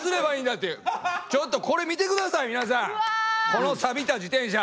このサビた自転車。